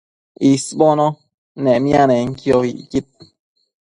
isbono nemianenquio icquid